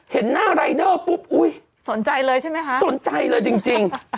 เห็นหน้ารายเดอร์ปุ๊บอุ๊ยสนใจเลยใช่ไหมคะสนใจเลยจริง